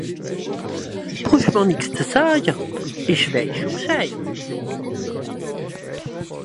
Brüch mer nix ze saje, isch weiss scho B'scheid!